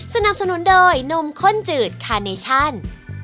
สนับสนุนโดยนมข้นจืดคาเนชั่น